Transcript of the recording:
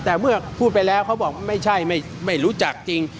แต่เมื่อพูดไปแล้วเขาบอกไม่ใช่ไม่รู้จักจริง